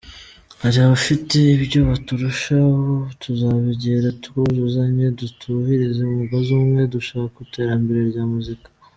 Hari abafite ibyo baturusha, abo tuzabegera twuzuzanye, dutahirize umugozi umwe , dushaka iterambere rya muzika.